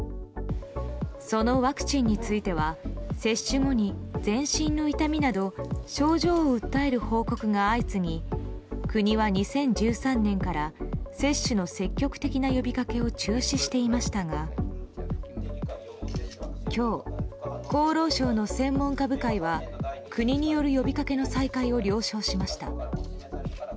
そのワクチンについては接種後に全身の痛みなど症状を訴える報告が相次ぎ国は２０１３年から接種の積極的な呼びかけを中止していましたが今日、厚労省の専門家部会は国による呼びかけの再開を了承しました。